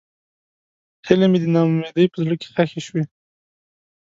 هیلې مې د نا امیدۍ په زړه کې ښخې شوې.